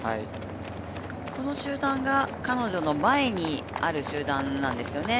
この集団が彼女の前にある集団なんですよね。